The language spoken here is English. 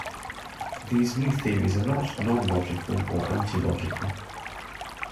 These new theories are not non-logical or anti-logical.